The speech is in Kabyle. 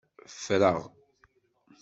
Ffreɣ.